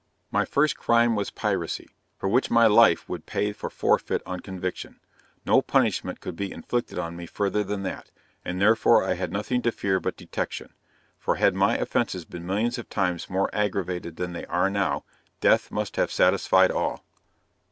My first crime was piracy, for which my life would pay for forfeit on conviction; no punishment could be inflicted on me further than that, and therefore I had nothing to fear but detection, for had my offences been millions of times more aggravated than they are now, death must have satisfied all.